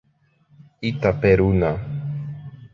Itaperuna